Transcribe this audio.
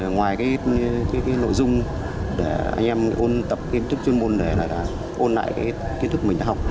ngoài cái nội dung để anh em ôn tập kiến thức chuyên môn để ôn lại cái kiến thức mình đã học